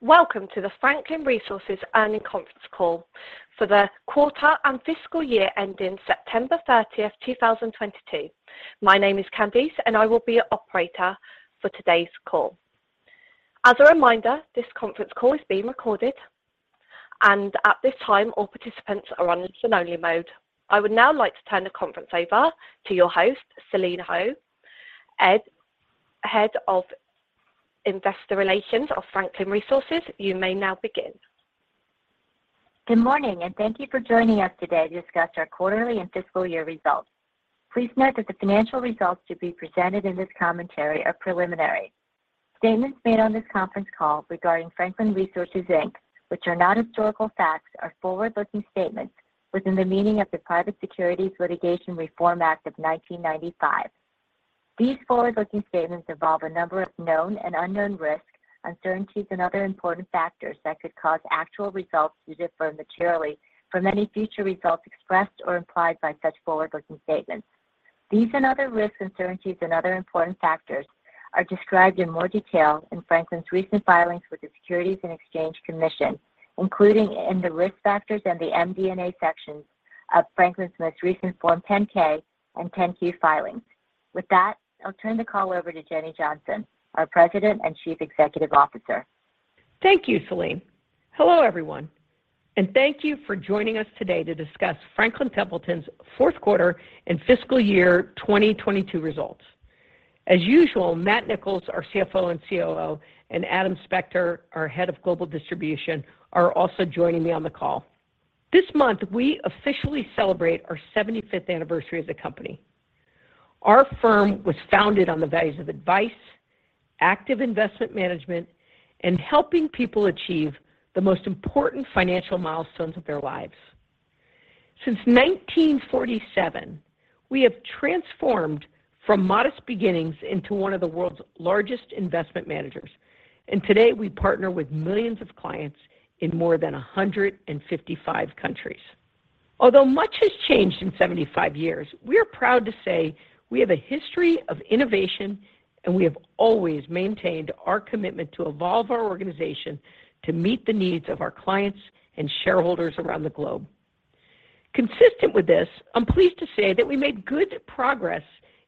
Welcome to the Franklin Resources Earnings Conference Call for the quarter and fiscal year ending September 30, 2022. My name is Candice and I will be your operator for today's call. As a reminder, this conference call is being recorded and at this time all participants are on listen-only mode. I would now like to turn the conference over to your host, Selene Oh, Head of Investor Relations of Franklin Resources. You may now begin. Good morning, and thank you for joining us today to discuss our quarterly and fiscal year results. Please note that the financial results to be presented in this commentary are preliminary. Statements made on this conference call regarding Franklin Resources, Inc., which are not historical facts, are forward-looking statements within the meaning of the Private Securities Litigation Reform Act of 1995. These forward-looking statements involve a number of known and unknown risks, uncertainties and other important factors that could cause actual results to differ materially from any future results expressed or implied by such forward-looking statements. These and other risks, uncertainties and other important factors are described in more detail in Franklin's recent filings with the Securities and Exchange Commission, including in the Risk Factors and the MD&A sections of Franklin's most recent Form 10-K and 10-Q filings. With that, I'll turn the call over to Jenny Johnson, our President and Chief Executive Officer. Thank you, Selene. Hello, everyone, and thank you for joining us today to discuss Franklin Templeton's fourth quarter and fiscal year 2022 results. As usual, Matthew Nicholls, our CFO and COO, and Adam Spector, our Head of Global Distribution, are also joining me on the call. This month, we officially celebrate our 75th anniversary as a company. Our firm was founded on the values of advice, active investment management and helping people achieve the most important financial milestones of their lives. Since 1947, we have transformed from modest beginnings into one of the world's largest investment managers, and today we partner with millions of clients in more than 155 countries. Although much has changed in 75 years, we are proud to say we have a history of innovation and we have always maintained our commitment to evolve our organization to meet the needs of our clients and shareholders around the globe. Consistent with this, I'm pleased to say that we made good progress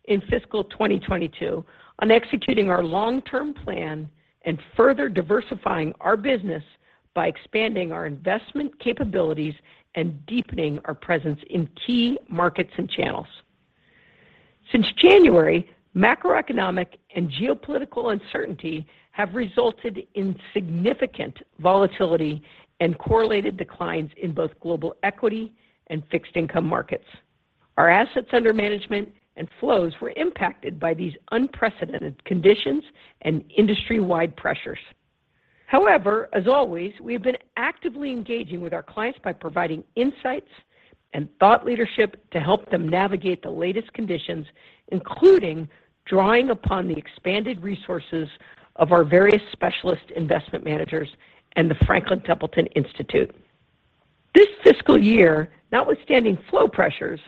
in fiscal 2022 on executing our long-term plan and further diversifying our business by expanding our investment capabilities and deepening our presence in key markets and channels. Since January, macroeconomic and geopolitical uncertainty have resulted in significant volatility and correlated declines in both global equity and fixed income markets. Our assets under management and flows were impacted by these unprecedented conditions and industry-wide pressures. However, as always, we have been actively engaging with our clients by providing insights and thought leadership to help them navigate the latest conditions, including drawing upon the expanded resources of our various specialist investment managers and the Franklin Templeton Institute. This fiscal year, notwithstanding flow pressures,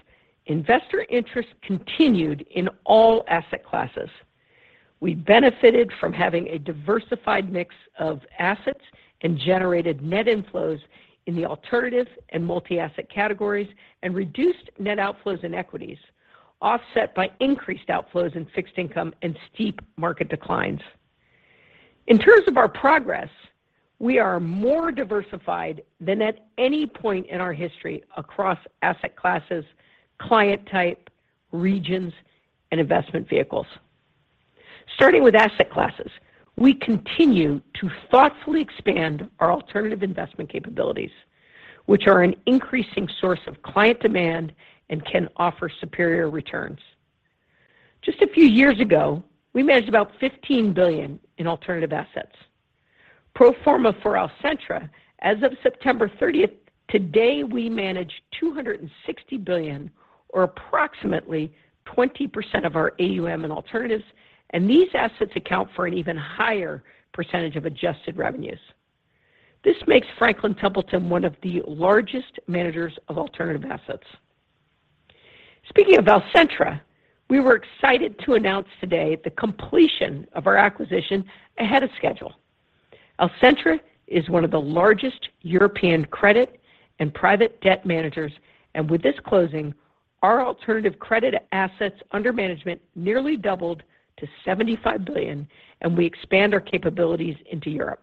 investor interest continued in all asset classes. We benefited from having a diversified mix of assets and generated net inflows in the alternative and multi-asset categories and reduced net outflows in equities, offset by increased outflows in fixed income and steep market declines. In terms of our progress, we are more diversified than at any point in our history across asset classes, client type, regions and investment vehicles. Starting with asset classes, we continue to thoughtfully expand our alternative investment capabilities, which are an increasing source of client demand and can offer superior returns. Just a few years ago, we managed about $15 billion in alternative assets. Pro forma for Alcentra, as of September thirtieth, today we manage $260 billion or approximately 20% of our AUM in alternatives, and these assets account for an even higher percentage of adjusted revenues. This makes Franklin Templeton one of the largest managers of alternative assets. Speaking of Alcentra, we were excited to announce today the completion of our acquisition ahead of schedule. Alcentra is one of the largest European credit and private debt managers, and with this closing, our alternative credit assets under management nearly doubled to $75 billion and we expand our capabilities into Europe.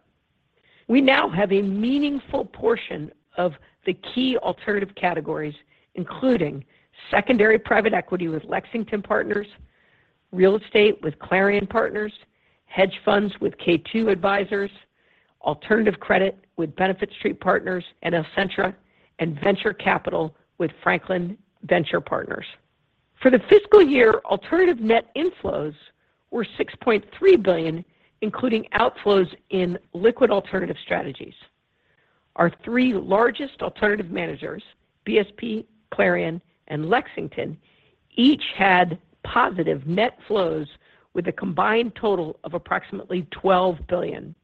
We now have a meaningful portion of the key alternative categories, including secondary private equity with Lexington Partners, real estate with Clarion Partners, hedge funds with K2 Advisors, alternative credit with Benefit Street Partners and Alcentra, and venture capital with Franklin Venture Partners. For the fiscal year, alternative net inflows were $6.3 billion, including outflows in liquid alternative strategies. Our three largest alternative managers, BSP, Clarion and Lexington, each had positive net flows with a combined total of approximately $12 billion.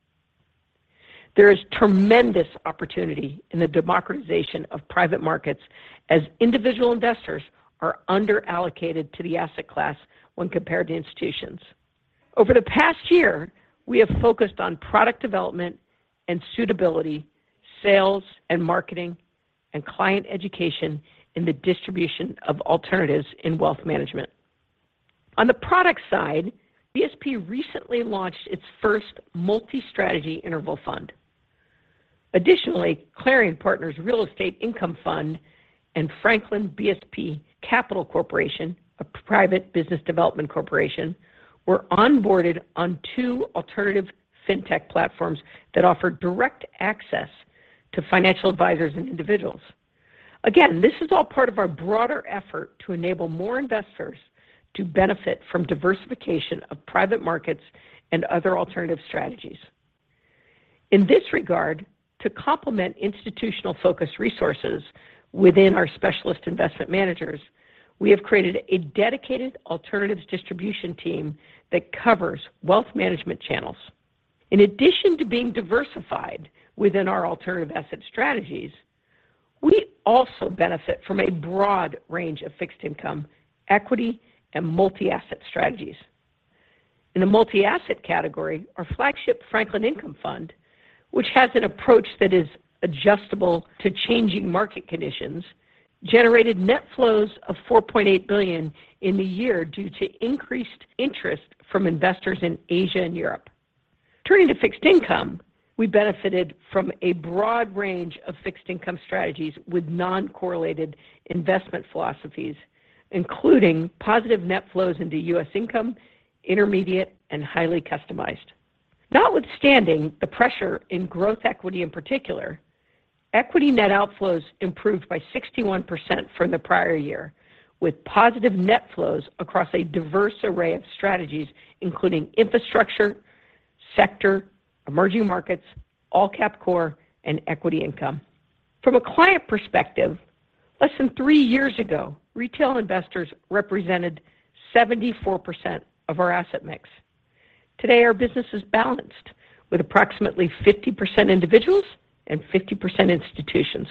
There is tremendous opportunity in the democratization of private markets as individual investors are under-allocated to the asset class when compared to institutions. Over the past year, we have focused on product development and suitability, sales and marketing, and client education in the distribution of alternatives in wealth management. On the product side, BSP recently launched its first multi-strategy interval fund. Additionally, Clarion Partners Real Estate Income Fund and Franklin BSP Capital Corporation, a private business development company, were onboarded on two alternative Fintech platforms that offer direct access to financial advisors and individuals. Again, this is all part of our broader effort to enable more investors to benefit from diversification of private markets and other alternative strategies. In this regard, to complement institutional-focused resources within our specialist investment managers, we have created a dedicated alternatives distribution team that covers wealth management channels. In addition to being diversified within our alternative asset strategies, we also benefit from a broad range of fixed income, equity, and multi-asset strategies. In the multi-asset category, our flagship Franklin Income Fund, which has an approach that is adjustable to changing market conditions, generated net flows of $4.8 billion in the year due to increased interest from investors in Asia and Europe. Turning to fixed income, we benefited from a broad range of fixed income strategies with non-correlated investment philosophies, including positive net flows into U.S. income, intermediate, and highly customized. Notwithstanding the pressure in growth equity in particular, equity net outflows improved by 61% from the prior year, with positive net flows across a diverse array of strategies, including infrastructure, sector, emerging markets, all cap core, and equity income. From a client perspective, less than 3 years ago, retail investors represented 74% of our asset mix. Today, our business is balanced with approximately 50% individuals and 50% institutions.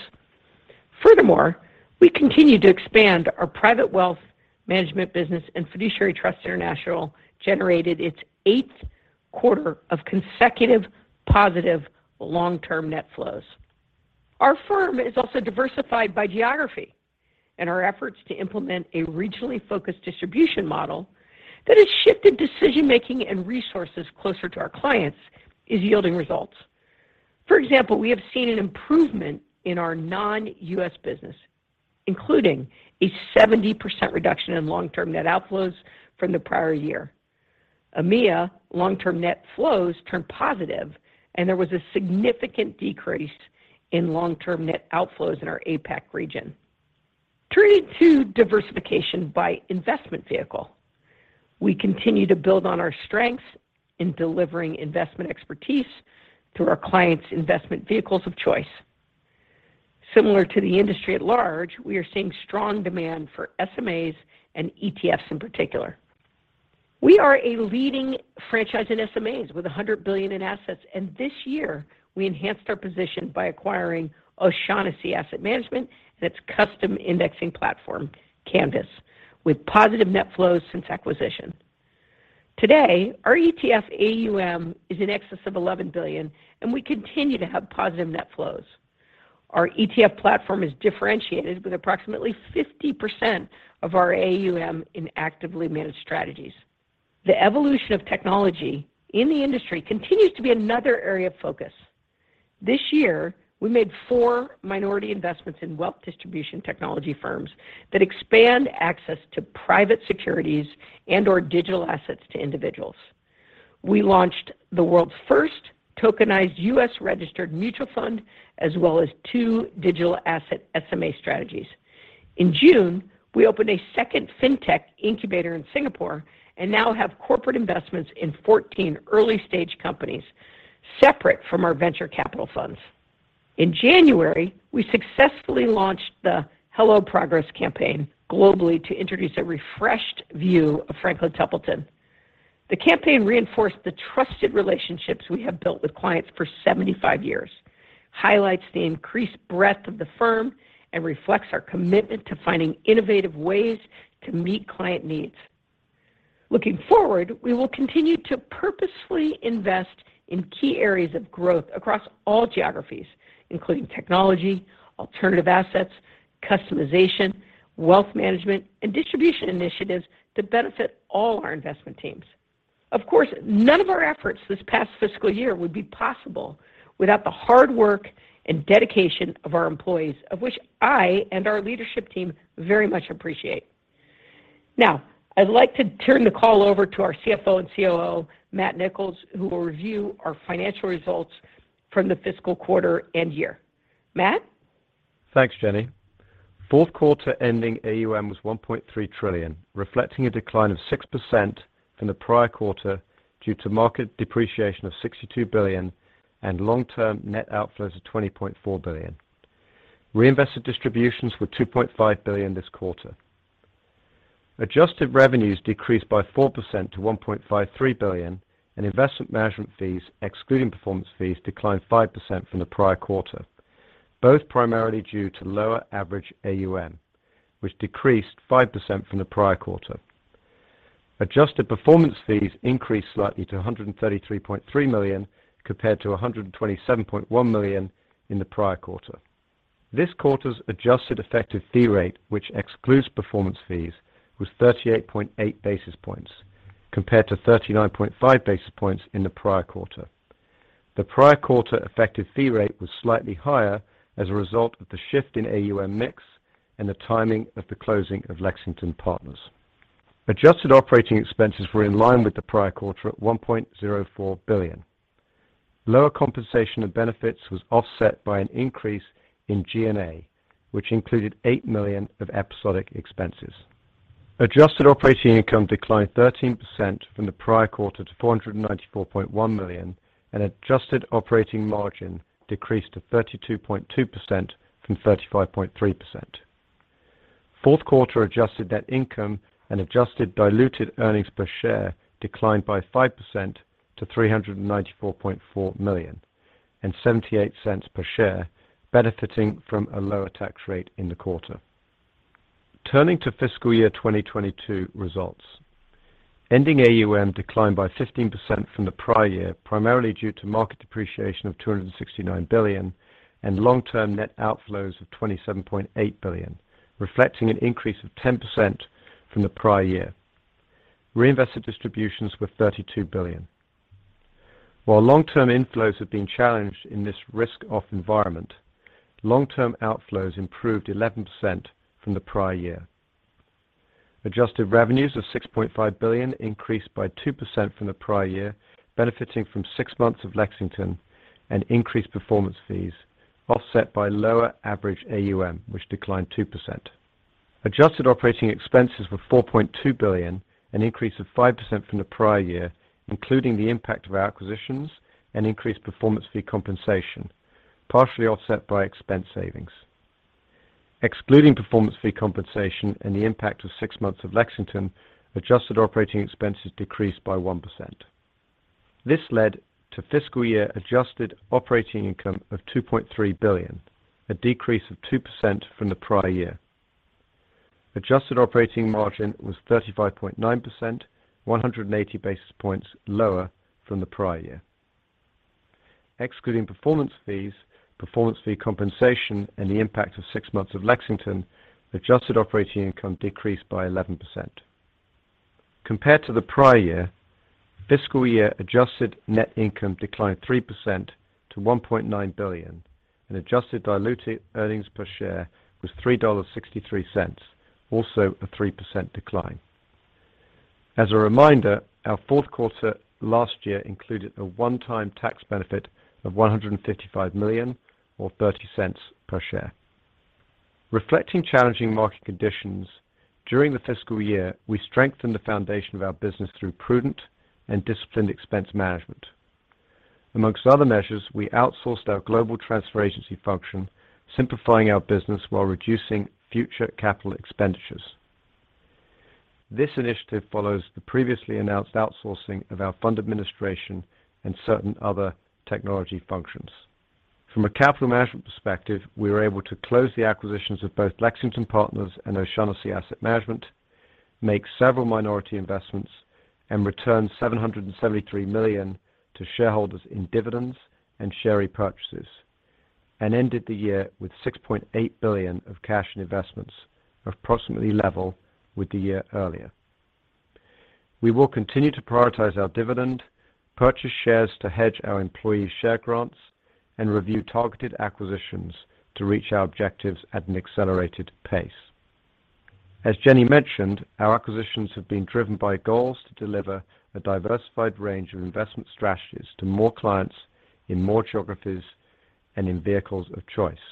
Furthermore, we continue to expand our private wealth management business and Fiduciary Trust International generated its eighth quarter of consecutive positive long-term net flows. Our firm is also diversified by geography, and our efforts to implement a regionally focused distribution model that has shifted decision-making and resources closer to our clients is yielding results. For example, we have seen an improvement in our non-US business, including a 70% reduction in long-term net outflows from the prior year. EMEA long-term net flows turned positive, and there was a significant decrease in long-term net outflows in our APAC region. Turning to diversification by investment vehicle, we continue to build on our strengths in delivering investment expertise through our clients' investment vehicles of choice. Similar to the industry at large, we are seeing strong demand for SMAs and ETFs in particular. We are a leading franchise in SMAs with $100 billion in assets, and this year we enhanced our position by acquiring O'Shaughnessy Asset Management and its custom indexing platform, Canvas, with positive net flows since acquisition. Today, our ETF AUM is in excess of $11 billion, and we continue to have positive net flows. Our ETF platform is differentiated with approximately 50% of our AUM in actively managed strategies. The evolution of technology in the industry continues to be another area of focus. This year, we made 4 minority investments in wealth distribution technology firms that expand access to private securities and/or digital assets to individuals. We launched the world's first tokenized U.S. registered mutual fund as well as two digital asset SMA strategies. In June, we opened a second Fintech incubator in Singapore and now have corporate investments in 14 early-stage companies separate from our venture capital funds. In January, we successfully launched the Hello Progress campaign globally to introduce a refreshed view of Franklin Templeton. The campaign reinforced the trusted relationships we have built with clients for 75 years, highlights the increased breadth of the firm, and reflects our commitment to finding innovative ways to meet client needs. Looking forward, we will continue to purposefully invest in key areas of growth across all geographies, including technology, alternative assets, customization, wealth management, and distribution initiatives that benefit all our investment teams. Of course, none of our efforts this past fiscal year would be possible without the hard work and dedication of our employees, of which I and our leadership team very much appreciate. Now, I'd like to turn the call over to our CFO and COO, Matthew Nicholls, who will review our financial results from the fiscal quarter and year. Matt? Thanks, Jenny. Fourth quarter ending AUM was $1.3 trillion, reflecting a decline of 6% from the prior quarter due to market depreciation of $62 billion and long-term net outflows of $20.4 billion. Reinvested distributions were $2.5 billion this quarter. Adjusted revenues decreased by 4% to $1.53 billion and investment management fees, excluding performance fees, declined 5% from the prior quarter both primarily due to lower average AUM which decreased 5% from the prior quarter. Adjusted performance fees increased slightly to $133.3 million compared to $127.1 million in the prior quarter. This quarter's adjusted effective fee rate, which excludes performance fees, was 38.8 basis points compared to 39.5 basis points in the prior quarter. The prior quarter effective fee rate was slightly higher as a result of the shift in AUM mix and the timing of the closing of Lexington Partners. Adjusted operating expenses were in line with the prior quarter at $1.04 billion. Lower compensation and benefits was offset by an increase in G&A, which included $8 million of episodic expenses. Adjusted operating income declined 13% from the prior quarter to $494.1 million and adjusted operating margin decreased to 32.2% from 35.3%. Fourth quarter adjusted net income and adjusted diluted earnings per share declined by 5% to $394.4 million and $0.78 per share benefiting from a lower tax rate in the quarter. Turning to fiscal year 2022 results. Ending AUM declined by 15% from the prior year, primarily due to market depreciation of $269 billion and long-term net outflows of $27.8 billion, reflecting an increase of 10% from the prior year. Reinvested distributions were $32 billion. While long-term inflows have been challenged in this risk-off environment, long-term outflows improved 11% from the prior year. Adjusted revenues of $6.5 billion increased by 2% from the prior year, benefiting from six months of Lexington and increased performance fees, offset by lower average AUM, which declined 2%. Adjusted operating expenses were $4.2 billion, an increase of 5% from the prior year, including the impact of our acquisitions and increased performance fee compensation, partially offset by expense savings. Excluding performance fee compensation and the impact of six months of Lexington, adjusted operating expenses decreased by 1%. This led to fiscal year adjusted operating income of $2.3 billion, a decrease of 2% from the prior year. Adjusted operating margin was 35.9%, 180 basis points lower from the prior year. Excluding performance fees, performance fee compensation, and the impact of six months of Lexington Partners, adjusted operating income decreased by 11%. Compared to the prior year, fiscal year adjusted net income declined 3% to $1.9 billion and adjusted diluted earnings per share was $3.63, also a 3% decline. As a reminder, our fourth quarter last year included a one-time tax benefit of $155 million or $0.30 per share. Reflecting challenging market conditions during the fiscal year, we strengthened the foundation of our business through prudent and disciplined expense management. Among other measures, we outsourced our global transfer agency function, simplifying our business while reducing future capital expenditures. This initiative follows the previously announced outsourcing of our fund administration and certain other technology functions. From a capital management perspective, we were able to close the acquisitions of both Lexington Partners and O'Shaughnessy Asset Management, make several minority investments, and return $773 million to shareholders in dividends and share repurchases, and ended the year with $6.8 billion of cash and investments of approximately level with the year earlier. We will continue to prioritize our dividend, purchase shares to hedge our employees' share grants, and review targeted acquisitions to reach our objectives at an accelerated pace. As Jenny mentioned, our acquisitions have been driven by goals to deliver a diversified range of investment strategies to more clients in more geographies and in vehicles of choice.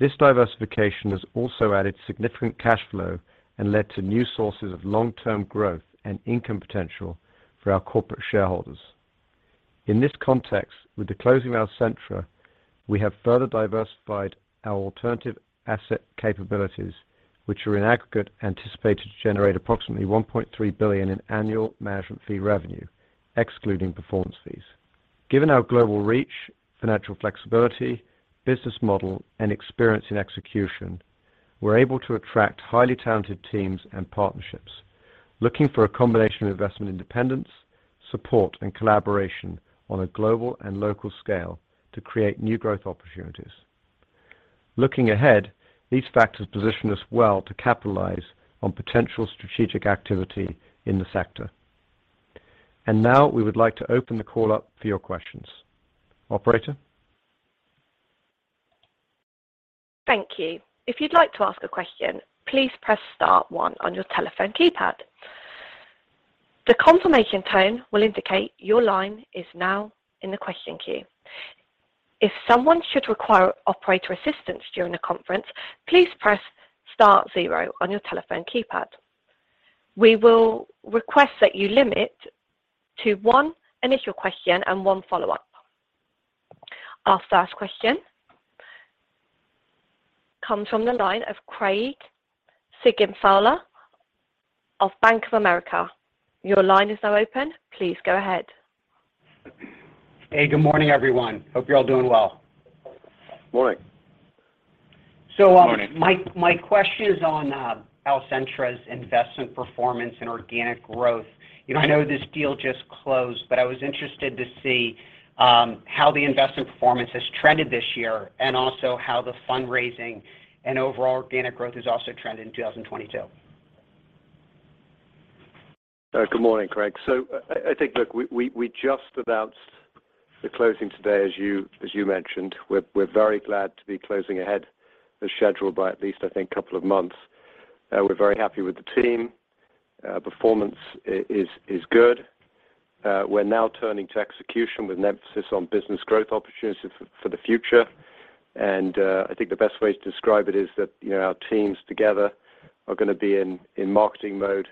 This diversification has also added significant cash flow and led to new sources of long-term growth and income potential for our corporate shareholders. In this context, with the closing of Alcentra, we have further diversified our alternative asset capabilities, which are in aggregate anticipated to generate approximately $1.3 billion in annual management fee revenue, excluding performance fees. Given our global reach, financial flexibility, business model, and experience in execution, we're able to attract highly talented teams and partnerships looking for a combination of investment independence, support, and collaboration on a global and local scale to create new growth opportunities. Looking ahead, these factors position us well to capitalize on potential strategic activity in the sector. Now we would like to open the call up for your questions. Operator? Thank you. If you'd like to ask a question, please press star one on your telephone keypad. The confirmation tone will indicate your line is now in the question queue. If someone should require operator assistance during the conference, please press star zero on your telephone keypad. We will request that you limit to one initial question and one follow-up. Our first question comes from the line of Craig Siegenthaler of Bank of America. Your line is now open. Please go ahead. Hey, good morning, everyone. Hope you're all doing well. Morning. So, um- Morning. My question is on Alcentra's investment performance and organic growth. You know, I know this deal just closed, but I was interested to see how the investment performance has trended this year, and also how the fundraising and overall organic growth has also trended in 2022. Good morning, Craig. I think, look, we just announced the closing today, as you mentioned. We're very glad to be closing ahead of schedule by at least I think a couple of months. We're very happy with the team. Performance is good. We're now turning to execution with an emphasis on business growth opportunities for the future. I think the best way to describe it is that, you know, our teams together are gonna be in marketing mode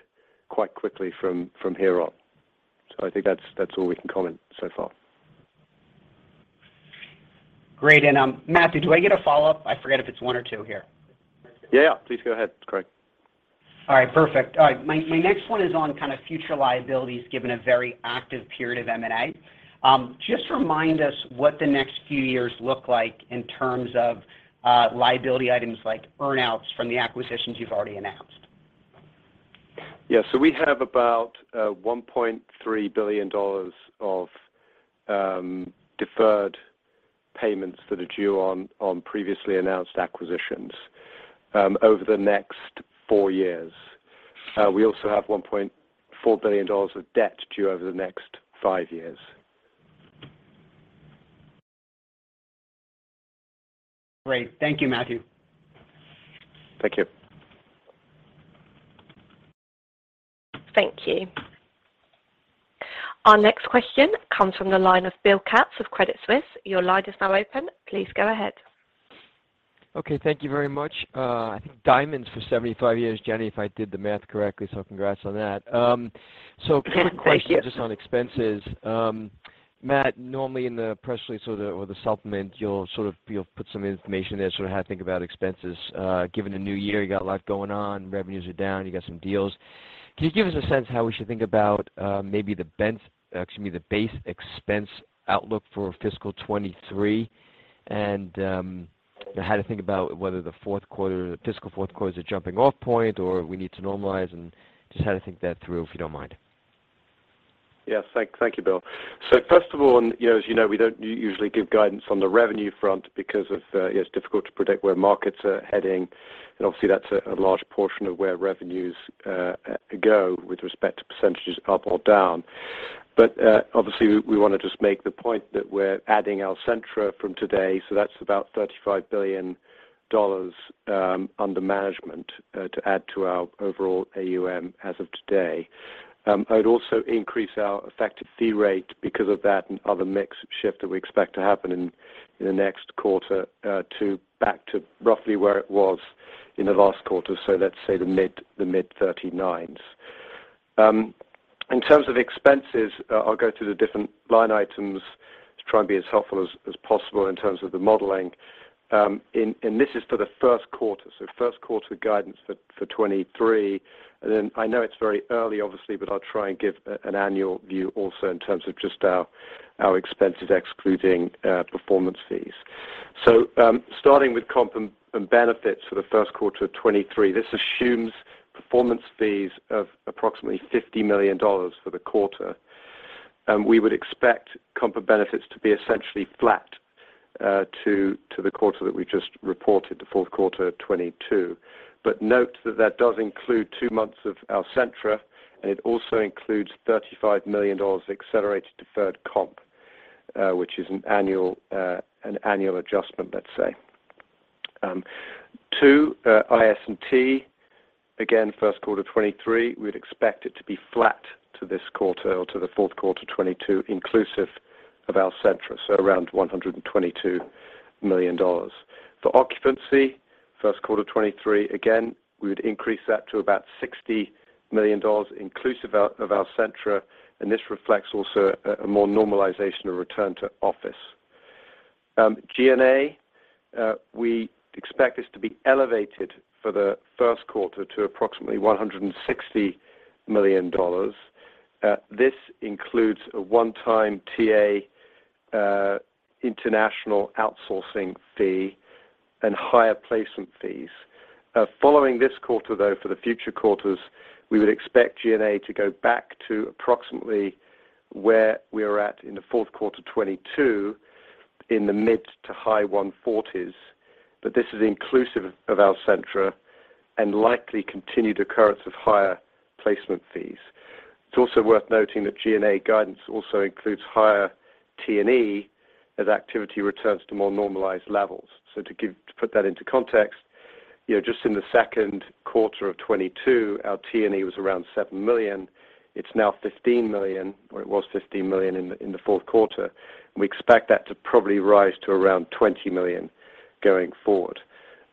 quite quickly from here on. I think that's all we can comment so far. Great. Matthew, do I get a follow-up? I forget if it's one or two here. Yeah. Please go ahead, Craig. All right, perfect. All right. My next one is on kind of future liabilities given a very active period of M&A. Just remind us what the next few years look like in terms of liability items like earn-outs from the acquisitions you've already announced. Yeah, we have about $1.3 billion of deferred payments that are due on previously announced acquisitions over the next four years. We also have $1.4 billion of debt due over the next five years. Great. Thank you, Matthew. Thank you. Thank you. Our next question comes from the line of Bill Katz of Credit Suisse. Your line is now open. Please go ahead. Okay. Thank you very much. I think diamonds for 75 years, Jenny, if I did the math correctly, so congrats on that. Quick question just on expenses. Matt, normally in the press release or the supplement, you'll put some information there, sort of how to think about expenses. Given the new year, you got a lot going on, revenues are down, you got some deals. Can you give us a sense how we should think about the base expense outlook for fiscal 2023 and how to think about whether the fiscal fourth quarter is a jumping off point or we need to normalize and just how to think that through, if you don't mind. Yes. Thank you, Bill. First of all, you know, as you know, we don't usually give guidance on the revenue front because it's difficult to predict where markets are heading. Obviously that's a large portion of where revenues go with respect to percentages up or down. Obviously we want to just make the point that we're adding Alcentra from today, so that's about $35 billion under management to add to our overall AUM as of today. I would also increase our effective fee rate because of that and other mix shift that we expect to happen in the next quarter back to roughly where it was in the last quarter. Let's say the mid-30s. In terms of expenses, I'll go through the different line items to try and be as helpful as possible in terms of the modeling. This is for the first quarter, so first quarter guidance for 2023. I know it's very early obviously, but I'll try and give an annual view also in terms of just our expenses excluding performance fees. Starting with comp and benefits for the first quarter of 2023, this assumes performance fees of approximately $50 million for the quarter. We would expect comp and benefits to be essentially flat to the quarter that we just reported, the fourth quarter of 2022. Note that that does include two months of Alcentra, and it also includes $35 million accelerated deferred comp, which is an annual adjustment, let's say. Too, IS&T, again, first quarter 2023, we'd expect it to be flat to this quarter or to the fourth quarter 2022 inclusive of Alcentra, so around $122 million. For occupancy, first quarter 2023, again, we would increase that to about $60 million inclusive of Alcentra, and this reflects also a more normalization of return to office. G&A, we expect this to be elevated for the first quarter to approximately $160 million. This includes a one-time TA international outsourcing fee and higher placement fees. Following this quarter, though, for the future quarters, we would expect G&A to go back to approximately where we are at in the fourth quarter 2022 in the mid- to high $140s, but this is inclusive of Alcentra and likely continued occurrence of higher placement fees. It's also worth noting that G&A guidance also includes higher T&E as activity returns to more normalized levels. To put that into context, you know, just in the second quarter of 2022, our T&E was around $7 million. It's now $15 million, or it was $15 million in the fourth quarter. We expect that to probably rise to around $20 million going forward.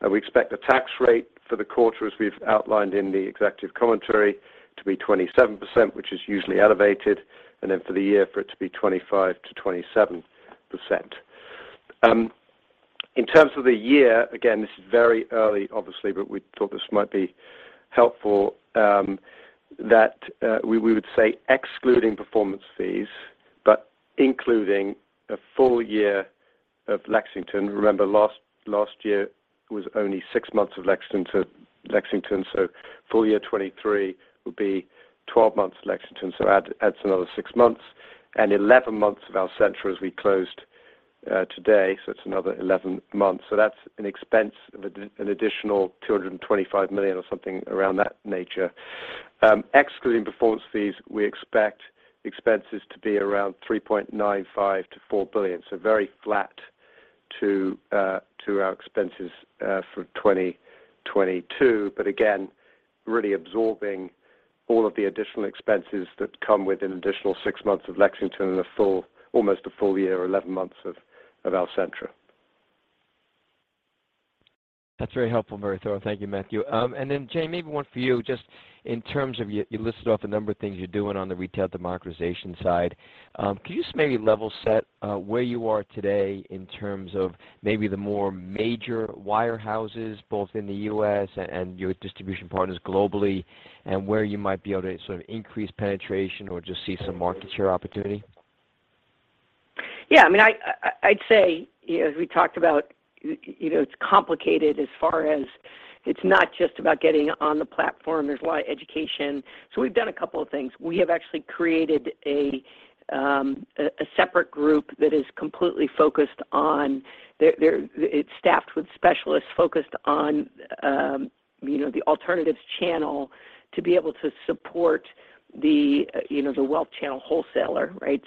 We expect the tax rate for the quarter, as we've outlined in the executive commentary, to be 27%, which is usually elevated, and then for the year for it to be 25%-27%. In terms of the year, again, this is very early, obviously, but we thought this might be helpful, that we would say excluding performance fees, but including a full year of Lexington. Remember, last year was only six months of Lexington. So full year 2023 will be 12 months Lexington, so adds another six months. Eleven months of Alcentra as we closed today, so it's another 11 months. So that's an expense of an additional $225 million or something around that nature. Excluding performance fees, we expect expenses to be around $3.95 billion-$4 billion. Very flat to our expenses for 2022. Again, really absorbing all of the additional expenses that come with an additional six months of Lexington and almost a full year, or eleven months, of Alcentra. That's very helpful, very thorough. Thank you, Matthew. Then Jenny, maybe one for you, just in terms of you listed off a number of things you're doing on the retail democratization side. Can you just maybe level set, where you are today in terms of maybe the more major wirehouses, both in the US and your distribution partners globally, and where you might be able to sort of increase penetration or just see some market share opportunity? I mean, I'd say, you know, as we talked about, you know, it's complicated as far as it's not just about getting on the platform. There's a lot of education. We've done a couple of things. We have actually created a separate group that's staffed with specialists focused on, you know, the alternatives channel to be able to support the, you know, the wealth channel wholesaler, right?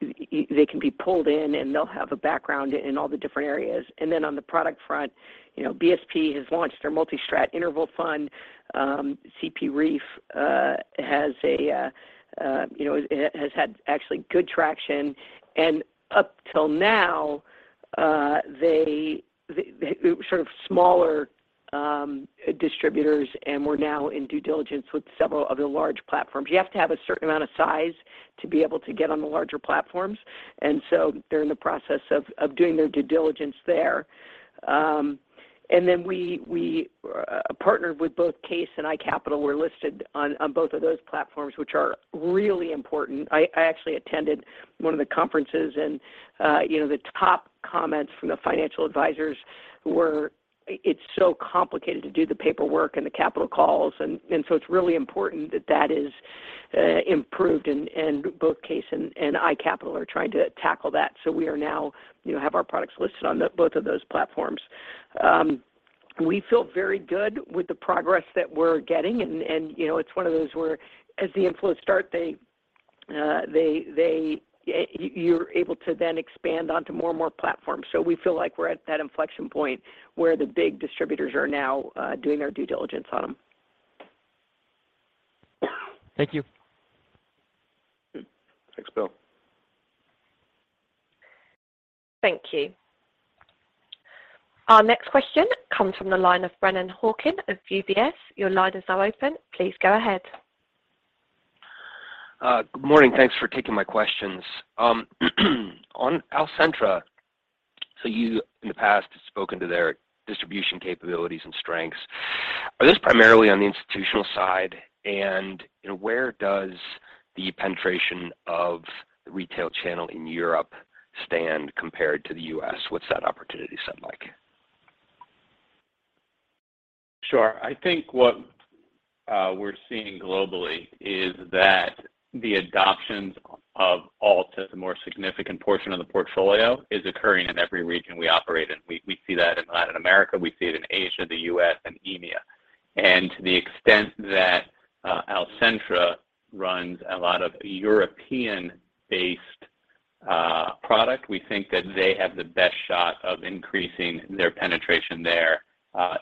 They can be pulled in, and they'll have a background in all the different areas. On the product front, you know, BSP has launched their multi-strat interval fund. Clarion Partners Real Estate Income Fund has had actually good traction. Up till now, they sort of smaller distributors, and we're now in due diligence with several other large platforms. You have to have a certain amount of size to be able to get on the larger platforms. They're in the process of doing their due diligence there. We partnered with both CAIS and iCapital. We're listed on both of those platforms, which are really important. I actually attended one of the conferences, and you know, the top comments from the financial advisors were, "It's so complicated to do the paperwork and the capital calls," and so it's really important that that is improved, and both CAIS and iCapital are trying to tackle that. We are now, you know, have our products listed on both of those platforms. We feel very good with the progress that we're getting and, you know, it's one of those where as the inflows start, you're able to then expand onto more and more platforms. We feel like we're at that inflection point where the big distributors are now doing their due diligence on them. Thank you. Thanks, Bill. Thank you. Our next question comes from the line of Brennan Hawken of UBS. Your line is now open. Please go ahead. Good morning. Thanks for taking my questions. On Alcentra, you in the past have spoken to their distribution capabilities and strengths. Are those primarily on the institutional side? You know, where does the penetration of the retail channel in Europe stand compared to the U.S.? What's that opportunity set like? Sure. I think what we're seeing globally is that the adoptions of alts as a more significant portion of the portfolio is occurring in every region we operate in. We see that in Latin America, we see it in Asia, the U.S., and EMEA. To the extent that Alcentra runs a lot of European-based product, we think that they have the best shot of increasing their penetration there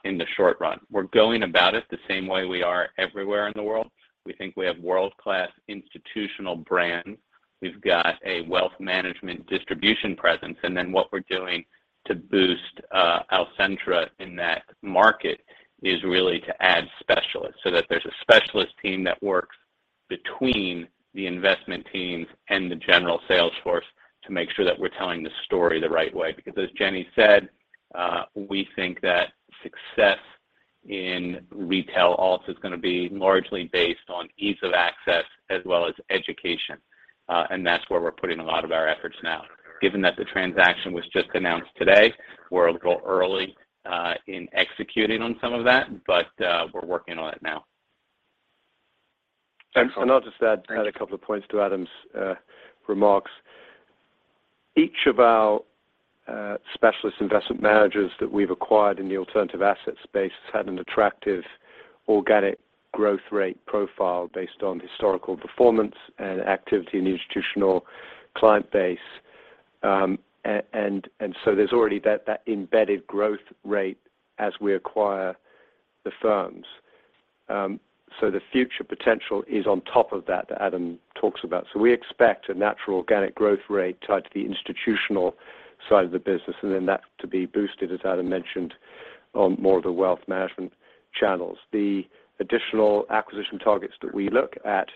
in the short run. We're going about it the same way we are everywhere in the world. We think we have world-class institutional brands. We've got a wealth management distribution presence, and then what we're doing to boost Alcentra in that market is really to add specialists, so that there's a specialist team that works between the investment teams and the general sales force to make sure that we're telling the story the right way. Because as Jenny said, we think that success in retail alts is gonna be largely based on ease of access as well as education, and that's where we're putting a lot of our efforts now. Given that the transaction was just announced today, we're a little early in executing on some of that, but we're working on it now. Excellent. Thank you. I'll just add a couple of points to Adam's remarks. Each of our specialist investment managers that we've acquired in the alternative assets space has had an attractive organic growth rate profile based on historical performance and activity in the institutional client base. And so there's already that embedded growth rate as we acquire the firms. So the future potential is on top of that that Adam talks about. We expect a natural organic growth rate tied to the institutional side of the business, and then that to be boosted, as Adam mentioned, on more of the wealth management channels. The additional acquisition targets that we look at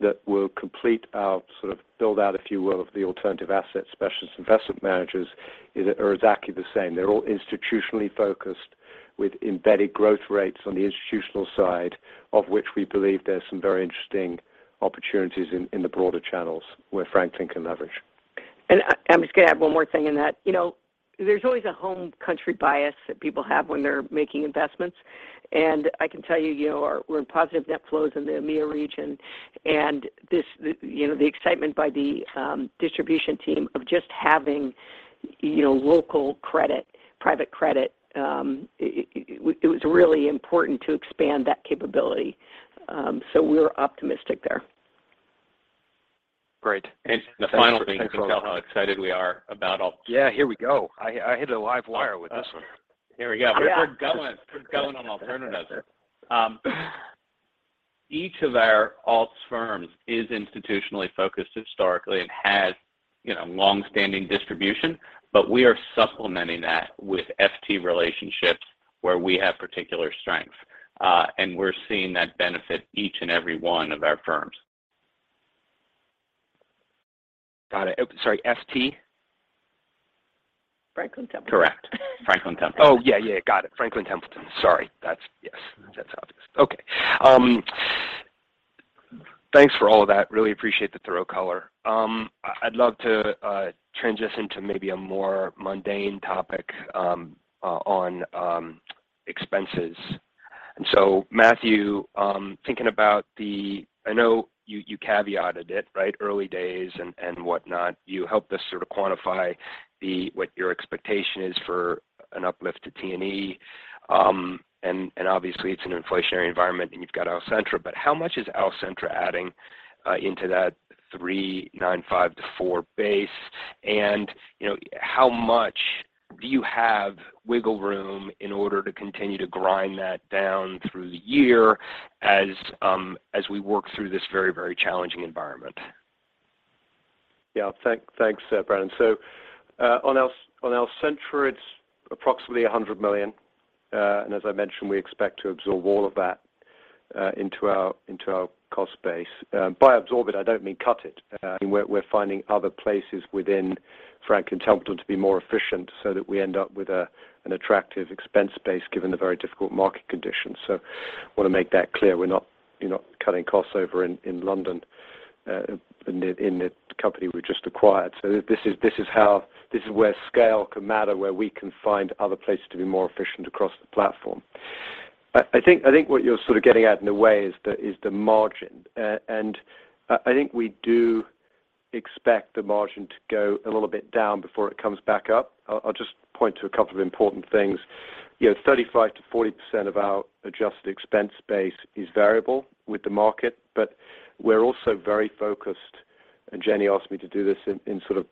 that will complete our sort of build out, if you will, of the alternative asset specialist investment managers are exactly the same. They're all institutionally focused with embedded growth rates on the institutional side, of which we believe there's some very interesting opportunities in the broader channels where Franklin can leverage. I'm just gonna add one more thing in that. You know, there's always a home country bias that people have when they're making investments. I can tell you know, our we're positive net flows in the EMEA region. This, you know, the excitement by the distribution team of just having, you know, local credit, private credit, it was really important to expand that capability. So we're optimistic there. Great. Thanks. The final thing, you can tell how excited we are about all. Yeah, here we go. I hit a live wire with this one. We're going on alternatives. Each of our alts firms is institutionally focused historically and has, you know, long-standing distribution. We are supplementing that with FT relationships where we have particular strength. We're seeing that benefit each and every one of our firms. Got it. Oh, sorry, FT? Franklin Templeton. Correct. Franklin Templeton. Yeah, got it. Franklin Templeton. Sorry. That's yes. That's obvious. Okay. Thanks for all of that. Really appreciate the thorough color. I'd love to transition to maybe a more mundane topic on expenses. Matthew Nicholls, thinking about the. I know you caveated it, right? Early days and whatnot. You helped us sort of quantify the what your expectation is for an uplift to T&E. And obviously it's an inflationary environment, and you've got Alcentra. But how much is Alcentra adding into that $395-$400 base? You know, how much do you have wiggle room in order to continue to grind that down through the year as we work through this very challenging environment? Yeah. Thanks, Brennan. So, on Alcentra, it's approximately $100 million. And as I mentioned, we expect to absorb all of that into our cost base. By absorb it, I don't mean cut it. We're finding other places within Franklin Templeton to be more efficient so that we end up with an attractive expense base given the very difficult market conditions. So wanna make that clear. We're not, you know, cutting costs over in London in the company we just acquired. This is how, this is where scale can matter, where we can find other places to be more efficient across the platform. I think what you're sort of getting at in a way is the margin. I think we do expect the margin to go a little bit down before it comes back up. I'll just point to a couple of important things. You know, 35%-40% of our adjusted expense base is variable with the market, but we're also very focused, and Jenny asked me to do this in sort of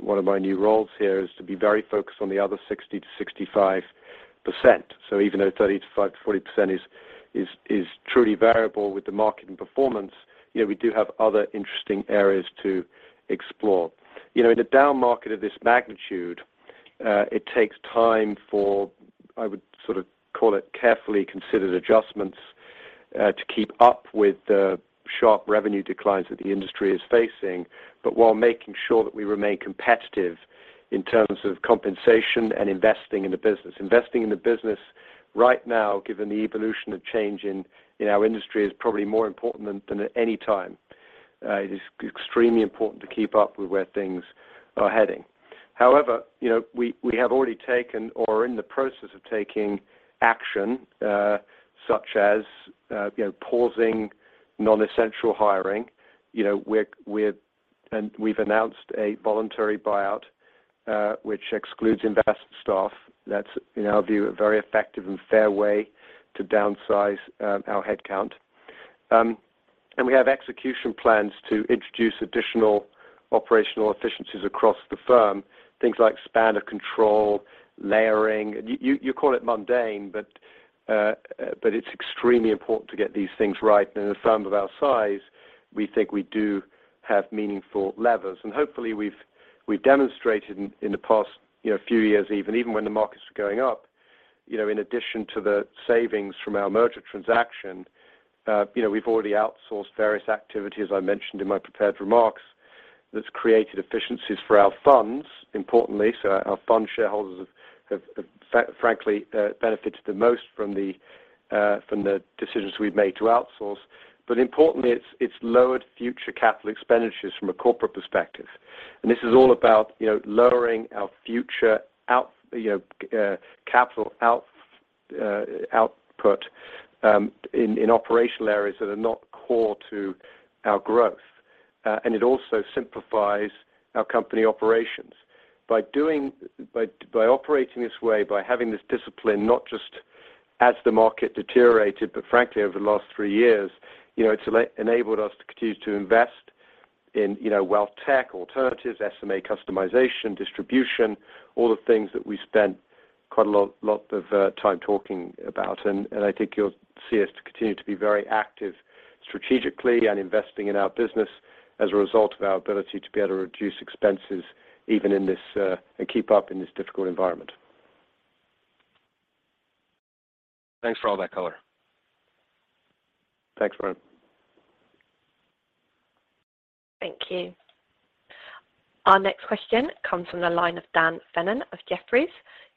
one of my new roles here, is to be very focused on the other 60%-65%. Even though 35%-40% is truly variable with the market and performance, you know, we do have other interesting areas to explore. You know, in a down market of this magnitude, it takes time for, I would sort of call it, carefully considered adjustments to keep up with the sharp revenue declines that the industry is facing, but while making sure that we remain competitive in terms of compensation and investing in the business. Investing in the business right now, given the evolution of change in our industry, is probably more important than at any time. It is extremely important to keep up with where things are heading. However, you know, we have already taken or are in the process of taking action, such as you know, pausing non-essential hiring. You know, we've announced a voluntary buyout, which excludes investment staff. That's, in our view, a very effective and fair way to downsize our head count. We have execution plans to introduce additional operational efficiencies across the firm, things like span of control, layering. You call it mundane, but it's extremely important to get these things right. In a firm of our size, we think we do have meaningful levers, and hopefully we've demonstrated in the past, you know, few years even when the markets were going up, you know, in addition to the savings from our merger transaction, you know, we've already outsourced various activities I mentioned in my prepared remarks. That's created efficiencies for our funds, importantly. Our fund shareholders have frankly benefited the most from the decisions we've made to outsource. Importantly, it's lowered future capital expenditures from a corporate perspective. This is all about, you know, lowering our future out. You know, capital outlay in operational areas that are not core to our growth. It also simplifies our company operations. By operating this way, by having this discipline, not just as the market deteriorated, but frankly over the last three years, you know, it's enabled us to continue to invest in, you know, wealth tech, alternatives, SMA customization, distribution, all the things that we spent a lot of time talking about. I think you'll see us continue to be very active strategically and investing in our business as a result of our ability to be able to reduce expenses even in this and keep up in this difficult environment. Thanks for all that color. Thanks, Brian. Thank you. Our next question comes from the line of Dan Fannon of Jefferies.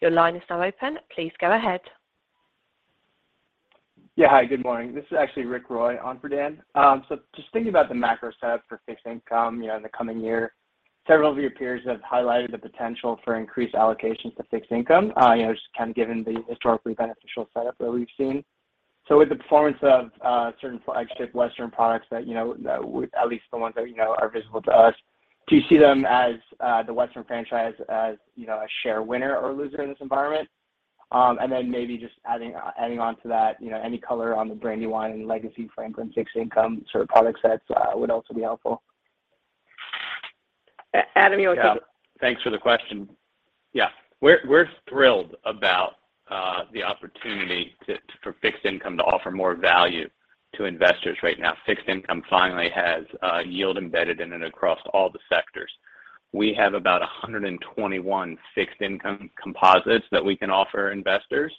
Your line is now open. Please go ahead. Yeah. Hi, good morning. This is actually Rich Roy on for Dan Fannon. Just thinking about the macro setup for fixed income, you know, in the coming year, several of your peers have highlighted the potential for increased allocations to fixed income, you know, just kind of given the historically beneficial setup that we've seen. With the performance of certain flagship Western products that at least the ones that, you know, are visible to us, do you see them as the Western franchise as, you know, a share winner or loser in this environment? Then, maybe just adding on to that, you know, any color on the Brandywine and legacy Franklin fixed income sort of product sets would also be helpful. Adam, you want to take- Yeah. Thanks for the question. Yeah. We're thrilled about the opportunity for fixed income to offer more value to investors right now. Fixed income finally has yield embedded in and across all the sectors. We have about 121 fixed income composites that we can offer investors,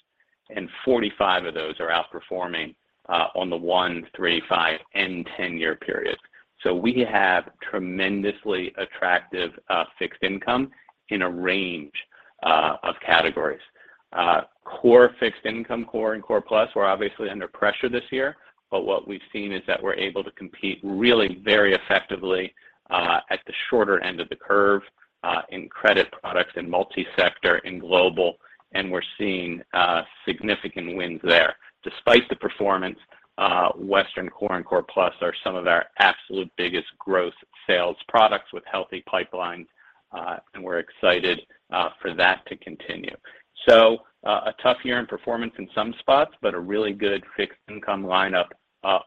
and 45 of those are outperforming on the 1-, 3-, 5-, and 10-year periods. We have tremendously attractive fixed income in a range of categories. Core fixed income, core and core plus, we're obviously under pressure this year, but what we've seen is that we're able to compete really very effectively at the shorter end of the curve in credit products, in multi-sector, in global, and we're seeing significant wins there. Despite the performance, Western's core and core plus are some of our absolute biggest growth sales products with healthy pipelines, and we're excited for that to continue. A tough year in performance in some spots, but a really good fixed income lineup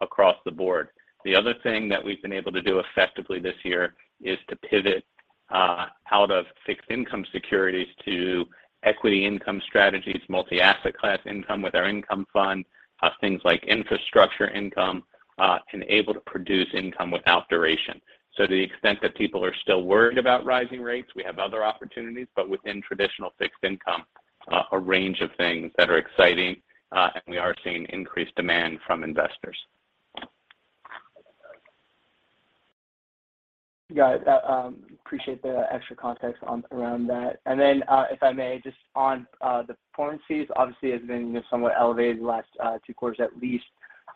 across the board. The other thing that we've been able to do effectively this year is to pivot out of fixed income securities to equity income strategies, multi-asset class income with our Franklin Income Fund, things like infrastructure income, and able to produce income without duration. To the extent that people are still worried about rising rates, we have other opportunities, but within traditional fixed income, a range of things that are exciting, and we are seeing increased demand from investors. Yeah, appreciate the extra context around that. If I may, just on the performance fees, obviously has been, you know, somewhat elevated the last two quarters at least.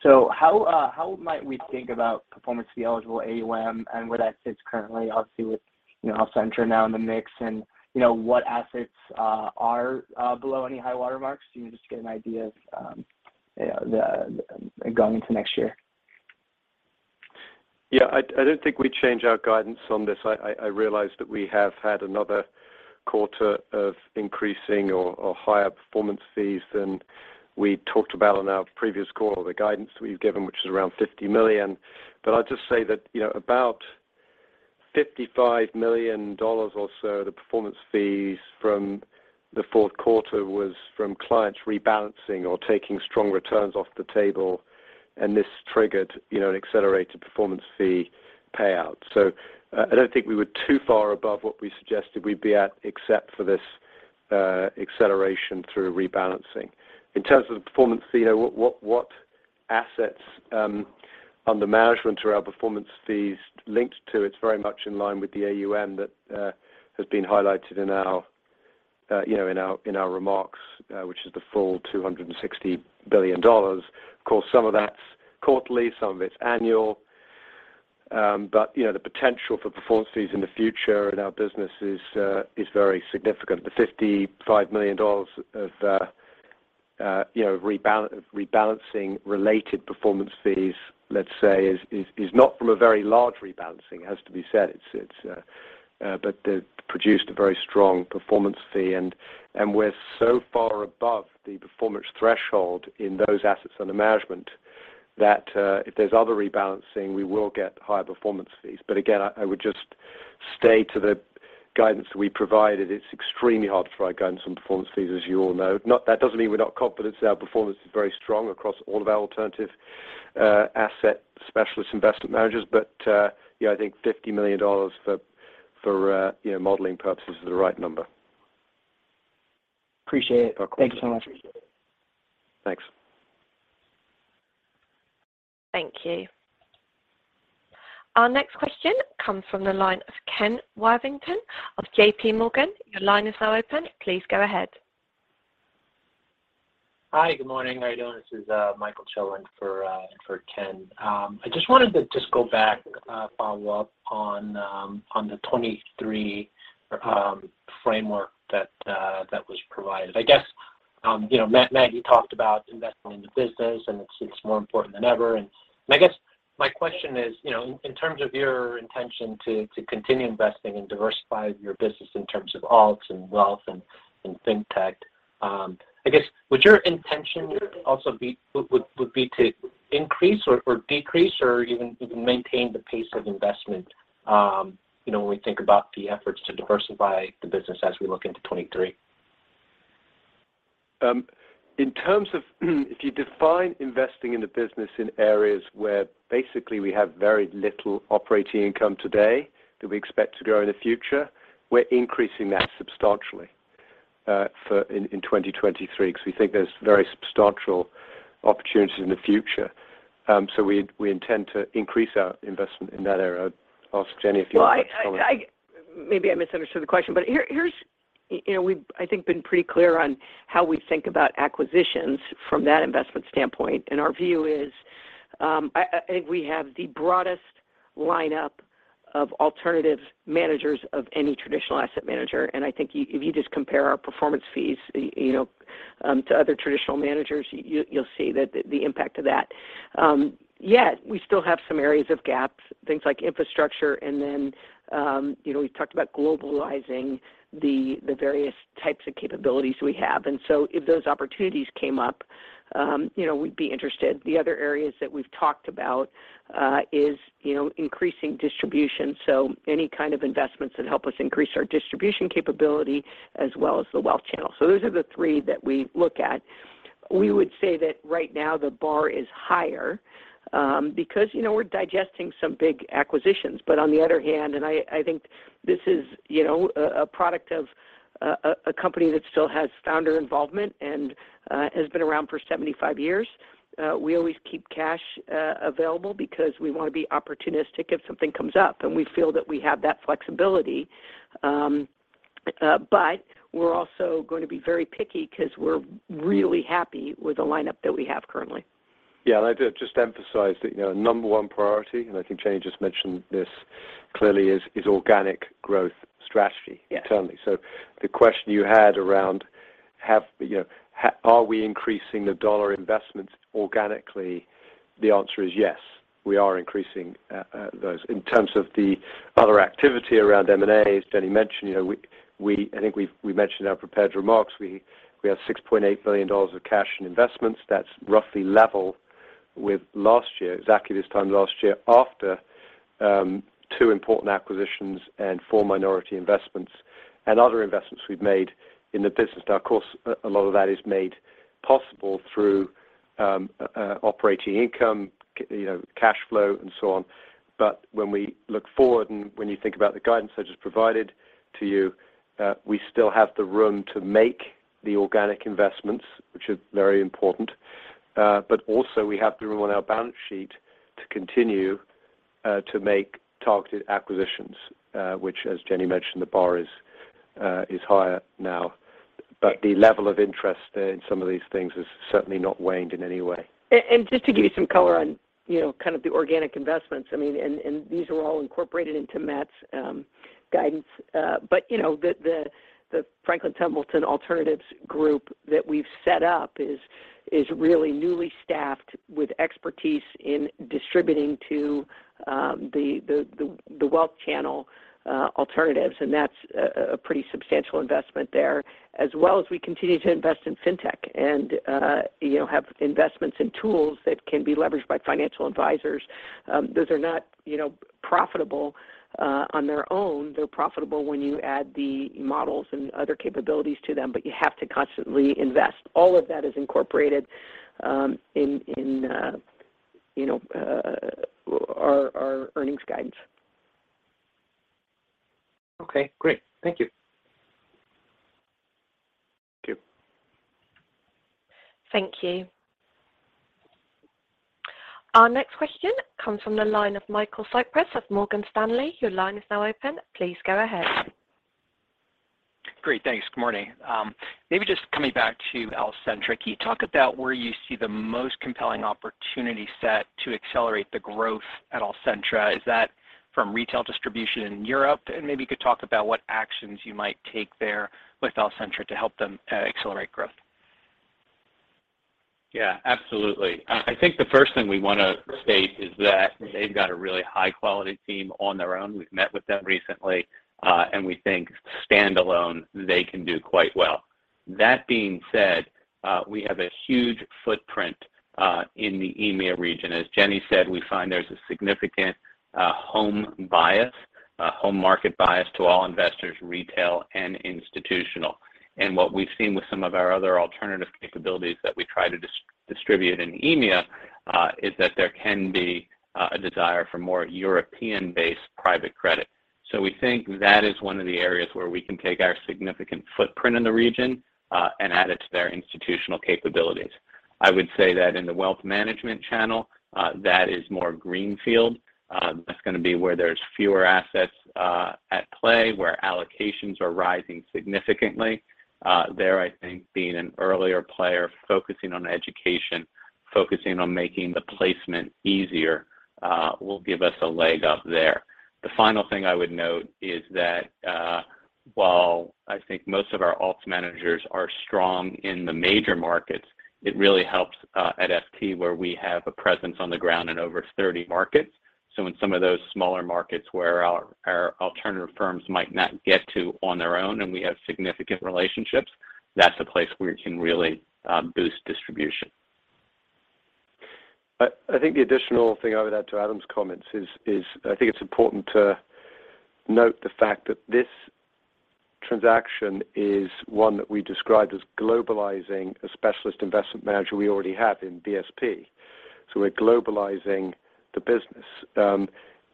How might we think about performance fee eligible AUM and where that sits currently, obviously, with, you know, Alcentra now in the mix and, you know, what assets are below any high water marks? Just to get an idea of, you know, the going into next year. Yeah. I don't think we change our guidance on this. I realize that we have had another quarter of increasing or higher performance fees than we talked about on our previous call, the guidance we've given, which is around $50 million. I'll just say that, you know, about $55 million or so, the performance fees from the fourth quarter was from clients rebalancing or taking strong returns off the table, and this triggered, you know, an accelerated performance fee payout. I don't think we were too far above what we suggested we'd be at except for this acceleration through rebalancing. In terms of the performance fee, you know, what assets under management are our performance fees linked to, it's very much in line with the AUM that has been highlighted in our remarks, which is the full $260 billion. Of course, some of that's quarterly, some of it's annual. You know, the potential for performance fees in the future in our business is very significant. The $55 million of rebalancing related performance fees, let's say is not from a very large rebalancing, it has to be said. They produced a very strong performance fee and we're so far above the performance threshold in those assets under management that if there's other rebalancing, we will get higher performance fees. Again, I would just stick to the guidance that we provided. It's extremely hard to provide guidance on performance fees, as you all know. That doesn't mean we're not confident that our performance is very strong across all of our alternative asset specialist investment managers. Yeah, I think $50 million for, you know, modeling purposes is the right number. Appreciate it. Of course. Thanks so much. Thanks. Thank you. Our next question comes from the line of Ken Worthington of J.P. Morgan. Your line is now open. Please go ahead. Hi, good morning. How are you doing? This is Michael Choe for Ken. I just wanted to go back, follow up on the 2023 framework that was provided. I guess, you know, Matthew talked about investing in the business, and it's more important than ever. I guess my question is, you know, in terms of your intention to continue investing and diversify your business in terms of alts and wealth and fintech. I guess would your intention also be to increase or decrease, or even maintain the pace of investment, you know, when we think about the efforts to diversify the business as we look into 2023? In terms of if you define investing in the business in areas where basically we have very little operating income today that we expect to grow in the future, we're increasing that substantially for in 2023 because we think there's very substantial opportunities in the future. We intend to increase our investment in that area. I'll ask Jenny if you want to comment. Maybe I misunderstood the question, but here's, you know, we've, I think, been pretty clear on how we think about acquisitions from that investment standpoint, and our view is, I think we have the broadest lineup of alternative managers of any traditional asset manager, and I think you, if you just compare our performance fees, you know, to other traditional managers, you'll see the impact of that. Yet we still have some areas of gaps, things like infrastructure. Then, you know, we've talked about globalizing the various types of capabilities we have. If those opportunities came up, you know, we'd be interested. The other areas that we've talked about is, you know, increasing distribution, so any kind of investments that help us increase our distribution capability as well as the wealth channel. Those are the three that we look at. We would say that right now the bar is higher, because, you know, we're digesting some big acquisitions. On the other hand, and I think this is, you know, a product of a company that still has founder involvement and has been around for 75 years, we always keep cash available because we want to be opportunistic if something comes up, and we feel that we have that flexibility. We're also going to be very picky because we're really happy with the lineup that we have currently. Yeah. I'd just emphasize that, you know, number one priority, and I think Jenny just mentioned this clearly, is organic growth strategy internally. Yes. The question you had around are we increasing the dollar investments organically? The answer is yes, we are increasing those. In terms of the other activity around M&A, as Jenny mentioned, I think we've mentioned in our prepared remarks, we have $6.8 billion of cash and investments. That's roughly level with last year, exactly this time last year, after two important acquisitions and four minority investments and other investments we've made in the business. Now, of course, a lot of that is made possible through operating income, you know, cash flow and so on. But when we look forward and when you think about the guidance I just provided to you, we still have the room to make the organic investments, which is very important. Also, we have the room on our balance sheet to continue to make targeted acquisitions, which as Jenny mentioned, the bar is higher now. The level of interest in some of these things has certainly not waned in any way. Just to give you some color on, you know, kind of the organic investments, I mean, and these are all incorporated into Matthew's guidance. You know, the Alternatives by Franklin Templeton that we've set up is really newly staffed with expertise in distributing to the wealth channel alternatives, and that's a pretty substantial investment there. As well as we continue to invest in fintech and, you know, have investments in tools that can be leveraged by financial advisors. Those are not, you know, profitable on their own. They're profitable when you add the models and other capabilities to them, but you have to constantly invest. All of that is incorporated in, you know, our earnings guidance. Okay, great. Thank you. Thank you. Thank you. Our next question comes from the line of Michael Cyprys of Morgan Stanley. Your line is now open. Please go ahead. Great, thanks. Good morning. Maybe just coming back to Alcentra. Can you talk about where you see the most compelling opportunity set to accelerate the growth at Alcentra? Is that from retail distribution in Europe? Maybe you could talk about what actions you might take there with Alcentra to help them accelerate growth. Yeah, absolutely. I think the first thing we want to state is that they've got a really high-quality team on their own. We've met with them recently, and we think standalone they can do quite well. That being said, we have a huge footprint in the EMEA region. As Jenny said, we find there's a significant home bias, home market bias to all investors, retail and institutional. What we've seen with some of our other alternative capabilities that we try to distribute in EMEA is that there can be a desire for more European-based private credit. We think that is one of the areas where we can take our significant footprint in the region and add it to their institutional capabilities. I would say that in the wealth management channel, that is more greenfield. That's gonna be where there's fewer assets at play, where allocations are rising significantly. There, I think being an earlier player, focusing on education, focusing on making the placement easier, will give us a leg up there. The final thing I would note is that, while I think most of our alts managers are strong in the major markets, it really helps at FT, where we have a presence on the ground in over 30 markets. In some of those smaller markets where our alternative firms might not get to on their own, and we have significant relationships, that's a place where it can really boost distribution. I think the additional thing I would add to Adam's comments is I think it's important to note the fact that this transaction is one that we described as globalizing a specialist investment manager we already have in BSP. We're globalizing the business.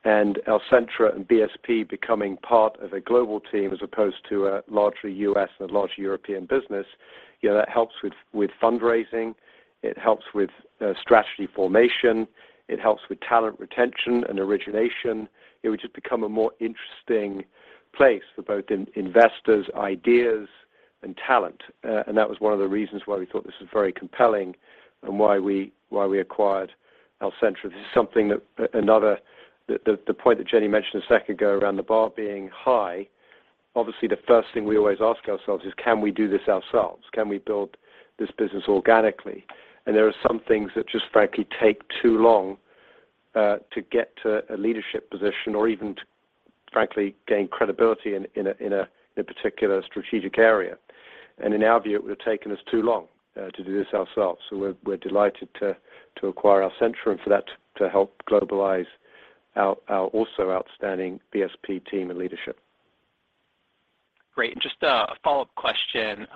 Alcentra and BSP becoming part of a global team as opposed to a largely U.S. and a largely European business, you know, that helps with fundraising, it helps with strategy formation, it helps with talent retention and origination. It would just become a more interesting place for both investors, ideas, and talent. That was one of the reasons why we thought this was very compelling and why we acquired Alcentra. This is something that another. The point that Jenny mentioned a second ago around the bar being high, obviously the first thing we always ask ourselves is, can we do this ourselves? Can we build this business organically? There are some things that just frankly take too long to get to a leadership position or even to, frankly, gain credibility in a particular strategic area. In our view, it would have taken us too long to do this ourselves. We're delighted to acquire Alcentra and for that to help globalize our also outstanding BSP team and leadership. Great. Just a follow-up question,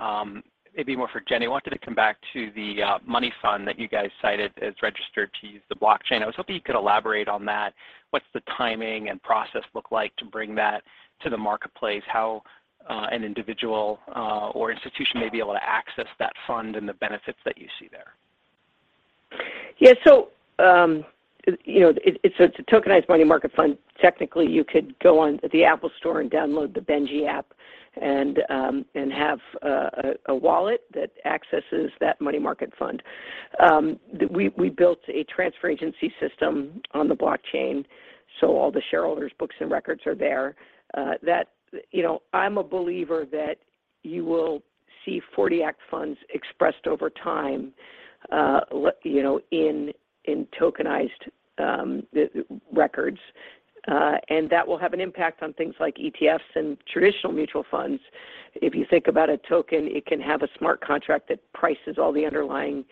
maybe more for Jenny. I wanted to come back to the money fund that you guys cited as registered to use the blockchain. I was hoping you could elaborate on that. What's the timing and process look like to bring that to the marketplace? How an individual or institution may be able to access that fund and the benefits that you see there? Yeah. You know, it's a tokenized money market fund. Technically, you could go on the Apple Store and download the Benji app and have a wallet that accesses that money market fund. We built a transfer agency system on the blockchain, so all the shareholders' books and records are there. You know, I'm a believer that you will see '40 Act funds expressed over time, you know, in tokenized records. That will have an impact on things like ETFs and traditional mutual funds. If you think about a token, it can have a smart contract that prices all the underlying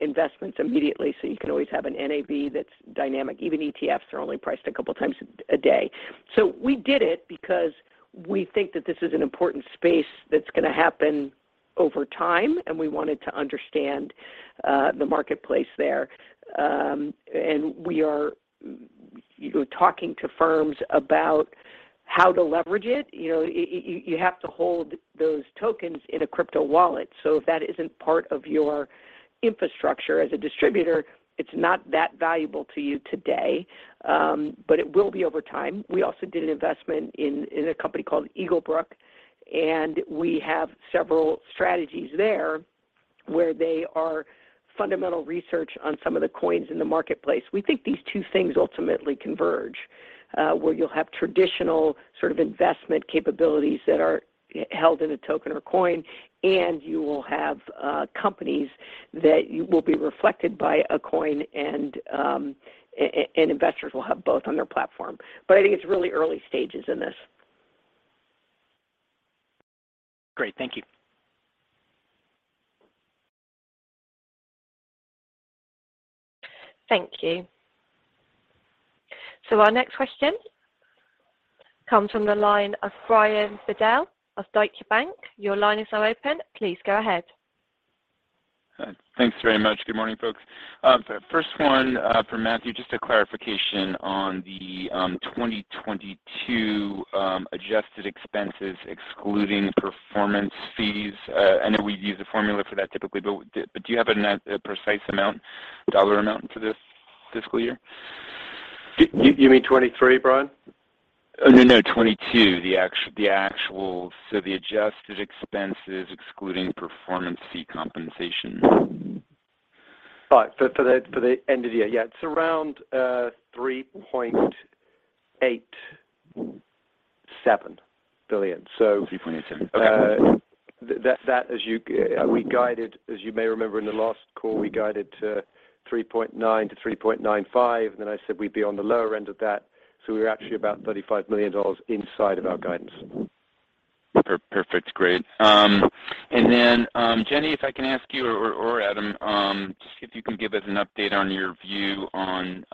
investments immediately. You can always have an NAV that's dynamic. Even ETFs are only priced a couple times a day. We did it because we think that this is an important space that's gonna happen over time, and we wanted to understand the marketplace there. We are talking to firms about how to leverage it. You know, you have to hold those tokens in a crypto wallet. So if that isn't part of your infrastructure as a distributor, it's not that valuable to you today, but it will be over time. We also did an investment in a company called Eaglebrook, and we have several strategies there where they are fundamental research on some of the coins in the marketplace. We think these two things ultimately converge where you'll have traditional sort of investment capabilities that are held in a token or coin, and you will have companies that will be reflected by a coin and investors will have both on their platform. I think it's really early stages in this. Great. Thank you. Thank you. Our next question comes from the line of Brian Bedell of Deutsche Bank. Your line is now open. Please go ahead. Thanks very much. Good morning, folks. First one, for Matthew, just a clarification on the 2022 adjusted expenses excluding performance fees. I know we use a formula for that typically, but do you have a precise amount, dollar amount for this fiscal year? You mean 23, Brian? No, 22, the actual adjusted expenses excluding performance fee compensation. All right. For the end of the year. Yeah. It's around $3.87 billion. So. 3.87. Okay. That, as you may remember in the last call, we guided to 3.9-3.95, and then I said we'd be on the lower end of that. We're actually about $35 million inside of our guidance. Perfect. Great. Then, Jenny, if I can ask you or Adam, just if you can give us an update on your view on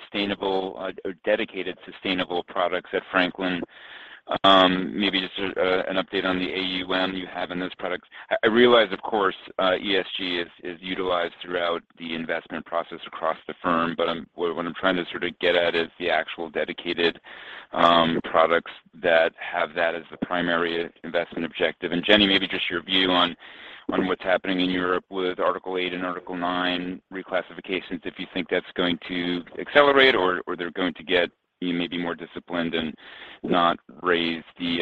sustainable or dedicated sustainable products at Franklin, maybe just an update on the AUM you have in those products. I realize, of course, ESG is utilized throughout the investment process across the firm, but what I'm trying to sort of get at is the actual dedicated products that have that as the primary investment objective. Jenny, maybe just your view on what's happening in Europe with Article 8 and Article 9 reclassifications, if you think that's going to accelerate or they're going to get maybe more disciplined and not raise the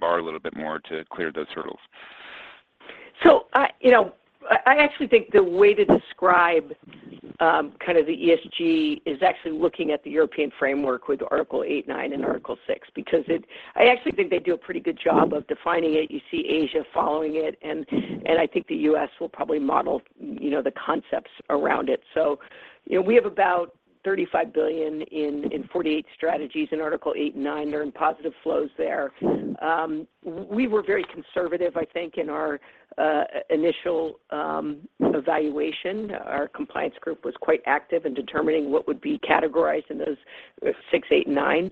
bar a little bit more to clear those hurdles. I actually think the way to describe kind of the ESG is actually looking at the European framework with Article 8, 9 and Article 6 because they do a pretty good job of defining it. You see Asia following it, and I think the U.S. will probably model the concepts around it. We have about $35 billion in 48 strategies in Article 8 and 9. They're in positive flows there. We were very conservative, I think, in our initial evaluation. Our compliance group was quite active in determining what would be categorized in those 6, 8, and 9.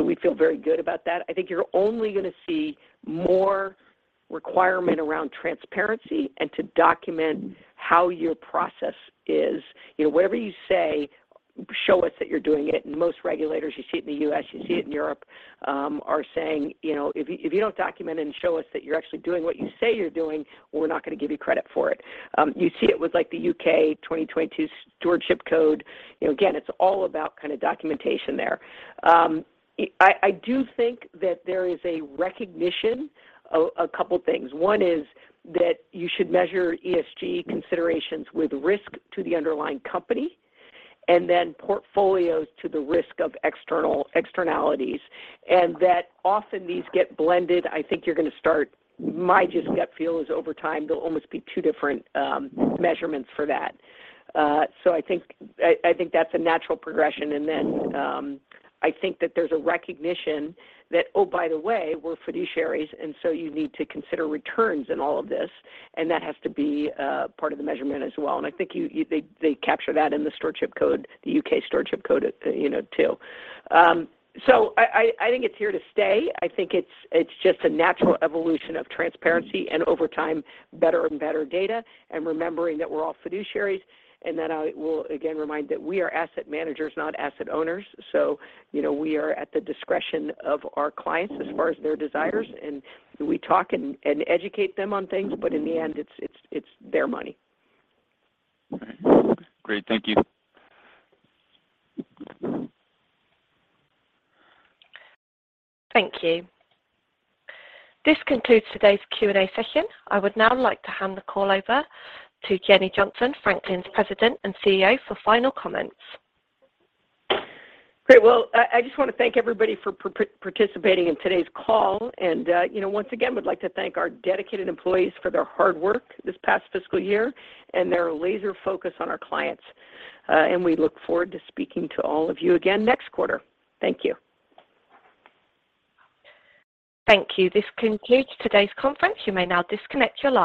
We feel very good about that. I think you're only gonna see more requirement around transparency and to document how your process is. You know, whatever you say, show us that you're doing it. Most regulators, you see it in the U.S., you see it in Europe, are saying, you know, "If you don't document and show us that you're actually doing what you say you're doing, we're not gonna give you credit for it." You see it with like the U.K. 2022 Stewardship Code. You know, again, it's all about kind of documentation there. I do think that there is a recognition of a couple things. One is that you should measure ESG considerations with risk to the underlying company and then portfolios to the risk of external externalities, and that often these get blended. I think you're gonna start. My gut feel is over time there'll almost be two different measurements for that. So I think that's a natural progression. I think that there's a recognition that, oh, by the way, we're fiduciaries, and so you need to consider returns in all of this, and that has to be part of the measurement as well. I think they capture that in the Stewardship Code, the UK Stewardship Code, you know, too. I think it's here to stay. I think it's just a natural evolution of transparency and over time better and better data and remembering that we're all fiduciaries. I will again remind that we are asset managers, not asset owners, so, you know, we are at the discretion of our clients as far as their desires, and we talk and educate them on things, but in the end it's their money. Great. Thank you. Thank you. This concludes today's Q&A session. I would now like to hand the call over to Jenny Johnson, Franklin's President and CEO, for final comments. Great. Well, I just wanna thank everybody for participating in today's call. Well, you know, once again, we'd like to thank our dedicated employees for their hard work this past fiscal year and their laser focus on our clients. We look forward to speaking to all of you again next quarter. Thank you. Thank you. This concludes today's conference. You may now disconnect your line.